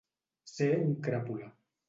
Ser un cràpula.